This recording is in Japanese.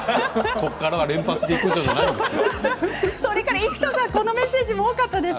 ここから連発でいくんじゃないですよ。